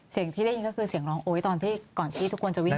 ที่ได้ยินก็คือเสียงร้องโอ๊ยตอนที่ก่อนที่ทุกคนจะวิ่ง